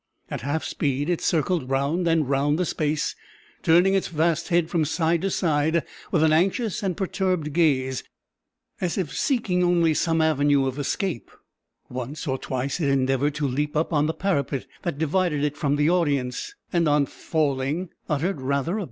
At half speed it circled round and round the space, turning its vast head from side to side with an anxious and perturbed gaze, as if seeking only some avenue of escape; once or twice it endeavored to leap up the parapet that divided it from the audience, and on falling, uttered rather a baffled howl than its deep toned and kingly roar.